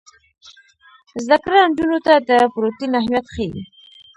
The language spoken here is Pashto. زده کړه نجونو ته د پروټین اهمیت ښيي.